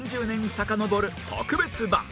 さかのぼる特別版